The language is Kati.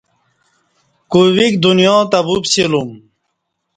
کوئ ویک دنیاتہ ووپسیلوم